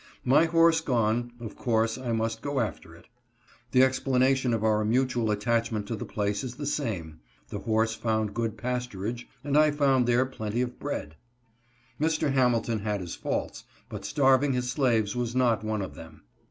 My horse gone, of course I must go after it. The explanation of our mutual attachment to the place is the same — the horse found good pasturage, and I found there plenty of bread. Mr. Hamilton had his faults, but starv ing his slaves was not one of them.